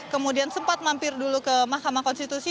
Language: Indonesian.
kemudian sempat mampir dulu ke mahkamah konstitusi